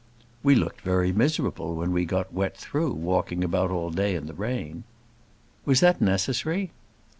"We looked very miserable, when we got wet through, walking about all day in the rain." "Was that necessary?"